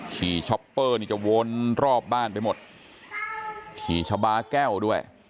ช็อปเปอร์นี่จะวนรอบบ้านไปหมดขี่ชะบาแก้วด้วย